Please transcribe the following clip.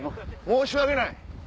申し訳ない。